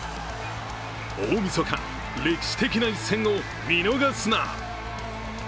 大みそか、歴史的な一戦を見逃すな！